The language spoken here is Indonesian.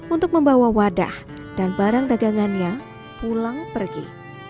untuk membawa wadah dan barang dagangannya pulang pergi